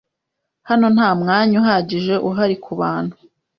Hano nta mwanya uhagije uhari kubantu .